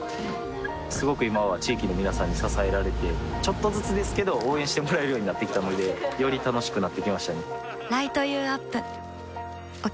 すごく今は地域の皆さんに支えられてちょっとずつですけど応援してもらえるようになってきたのでより楽しくなってきましたね